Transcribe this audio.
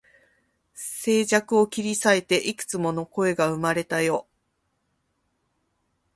静寂を切り裂いて、幾つも声が生まれたよ